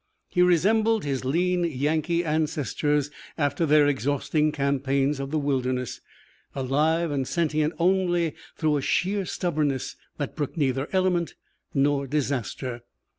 He resembled his lean Yankee ancestors after their exhausting campaigns of the wilderness, alive and sentient only through a sheer stubbornness that brooked neither element nor disaster.